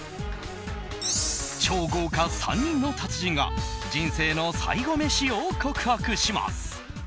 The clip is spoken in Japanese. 超豪華３人の達人が人生の最後メシを告白します。